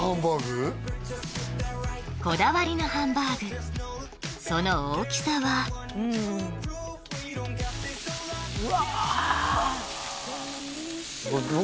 こだわりのハンバーグその大きさはうわーっ